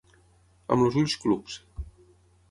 Amb els ulls clucs.